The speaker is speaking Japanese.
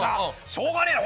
しょうがねえな。